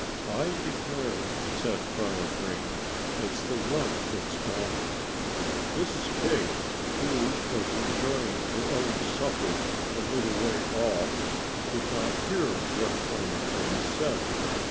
"I declare!" said Farmer Green. "It's the runt that's gone." Mrs. Pig, who was enjoying her own supper a little way off, did not hear what Farmer Green said.